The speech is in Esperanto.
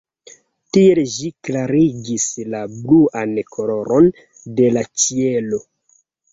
Tiel ĝi klarigis la bluan koloron de la ĉielo.